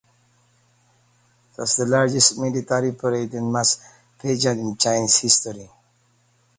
It was the largest military parade and mass pageant in Chinese history.